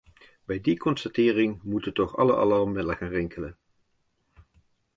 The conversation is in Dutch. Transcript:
Bij die constatering moeten toch alle alarmbellen gaan rinkelen?